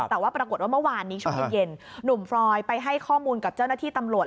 แต่ว่าปรากฏว่าเมื่อวานนี้ช่วงเย็นหนุ่มฟรอยไปให้ข้อมูลกับเจ้าหน้าที่ตำรวจ